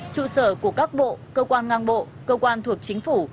trụ sở của các bộ cơ quan ngang bộ cơ quan thuộc chính phủ